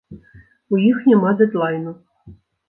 У іх няма дэдлайну.